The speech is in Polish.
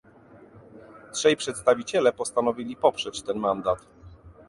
Trzej przedstawiciele postanowili poprzeć ten mandat